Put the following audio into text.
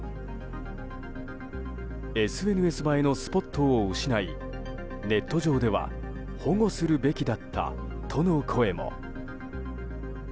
ＳＮＳ映えのスポットを失いネット上では保護するべきだったとの声も。